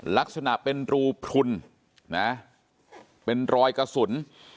ลักษณะเป็นรูพลุนนะเป็นรอยกระสุน